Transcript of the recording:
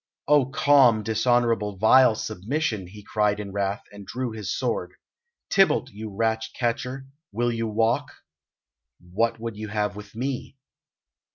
"O calm, dishonourable, vile submission!" he cried in wrath, and drew his sword. "Tybalt, you rat catcher, will you walk?" "What would you have with me?"